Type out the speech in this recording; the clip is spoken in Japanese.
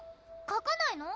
書かないの？